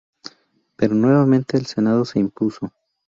Pero nuevamente, el senado se impuso.